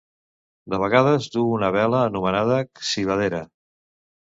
De vegades duu una vela anomenada civadera.